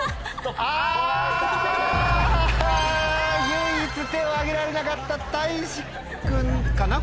唯一手を挙げられなかったたいし君かな？